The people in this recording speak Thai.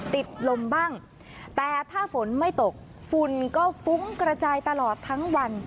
ติดลมบ้างแต่ถ้าฝนไม่ตกฝุ่นก็ฟุ้งกระจายตลอดทั้งวัน